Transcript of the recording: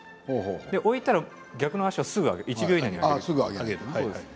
置いたら逆の足をすぐに１秒以内に置きます。